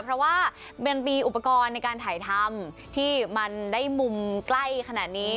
เพราะว่ามันมีอุปกรณ์ในการถ่ายทำที่มันได้มุมใกล้ขนาดนี้